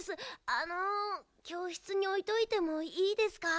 あのきょうしつにおいといてもいいですか？